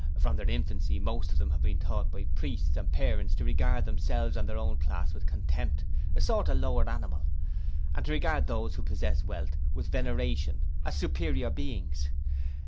From their infancy most of them have been taught by priests and parents to regard themselves and their own class with contempt a sort of lower animals and to regard those who possess wealth with veneration, as superior beings.